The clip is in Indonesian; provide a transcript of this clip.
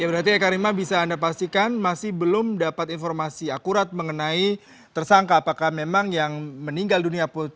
berarti eka rima bisa anda pastikan masih belum dapat informasi akurat mengenai tersangka apakah memang yang meninggal dunia